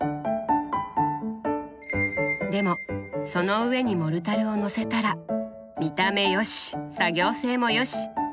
でもその上にモルタルをのせたら見た目良し作業性も良し！